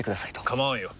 構わんよ。